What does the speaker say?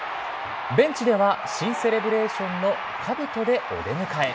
ベンチでは新セレブレーションのかぶとでお出迎え。